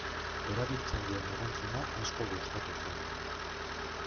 Erabiltzaileen erantzuna asko gustatu zait.